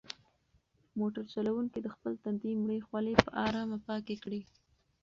موټر چلونکي د خپل تندي مړې خولې په ارامه پاکې کړې.